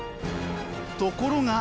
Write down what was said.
ところが。